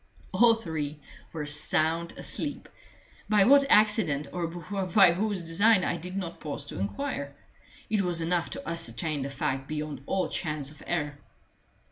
All three were sound asleep, by what accident or by whose design I did not pause to inquire; it was enough to ascertain the fact beyond all chance of error.